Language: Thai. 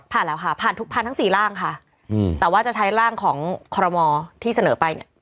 ผ่านทั้งสี่ร่างค่ะอืมแต่ว่าจะใช้ร่างของคที่เสนอไปเนี่ย